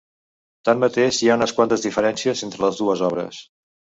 Tanmateix, hi ha unes quantes diferències entre les dues obres.